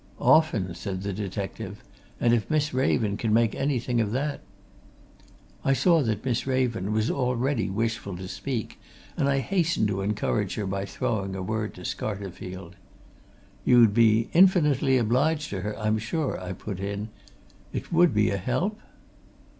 "Often!" said the detective. "And if Miss Raven can make anything of that " I saw that Miss Raven was already wishful to speak, and I hastened to encourage her by throwing a word to Scarterfield. "You'd be infinitely obliged to her, I'm sure," I put in. "It would be a help?"